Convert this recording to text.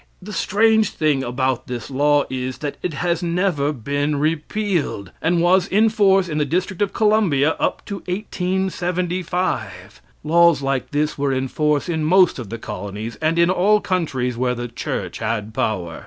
The strange thing about this law is, that it has never been repealed, and was in force in the District of Columbia up to 1875. Laws like this were in force in most of the colonies and in all countries where the church had power.